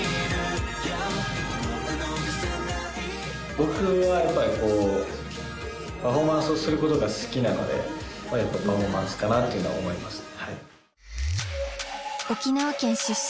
僕はやっぱりこうパフォーマンスをすることが好きなのでまあやっぱパフォーマンスかなっていうのは思いますね。